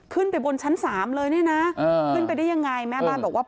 ขึ้นไปบนชั้น๓เลยเนี่ยนะขึ้นไปได้ยังไงแม่บ้านบอกว่า